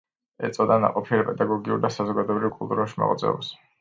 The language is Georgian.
ეწოდა ნაყოფიერ პედაგოგიურ და საზოგადოებრივ–კულტურულ მოღვაწეობას.